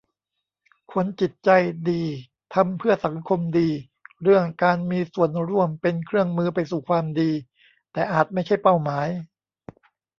คนจิตใจดีทำเพื่อสังคมดี เรื่องการมีส่วมร่วมเป็นเครื่องมือไปสู่ความดี แต่อาจไม่ใช่เป้าหมาย